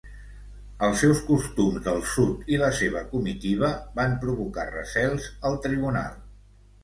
Els seus costums del sud i la seva comitiva van provocar recels al tribunal.